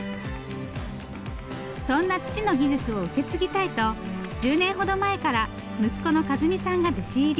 そんな父の技術を受け継ぎたいと１０年ほど前から息子の一美さんが弟子入り。